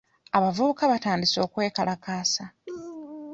Abavubuka batandise okwekalakaasa.